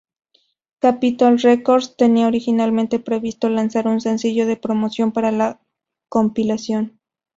Capitol Records tenía originalmente previsto lanzar un sencillo de promoción para la compilación.